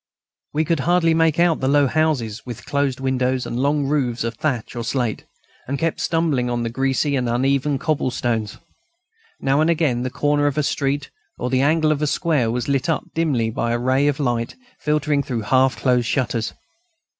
We could hardly make out the low houses with closed windows and long roofs of thatch or slate, and kept stumbling on the greasy and uneven cobble stones. Now and again the corner of a street or the angle of a square was lit up dimly by a ray of light filtering through half closed shutters.